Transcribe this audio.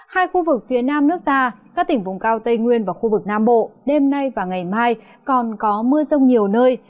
hai khu vực phía nam nước ta các tỉnh vùng cao tây nguyên và khu vực nam bộ đêm nay và ngày mai còn có mưa rông nhiều nơi